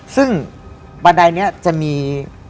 ซึ่งบันไดนี้จะมี